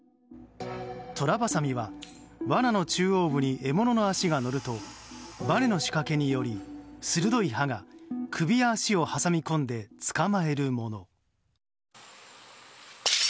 トラバサミは罠の中央部に獲物の足が乗るとばねの仕掛けにより鋭い刃が首や足を挟み込んで捕まえるもの。